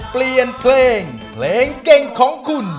เปลี่ยนเพลงเพลงเก่งของคุณ